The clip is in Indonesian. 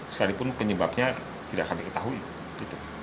sekalipun penyebabnya tidak kami ketahui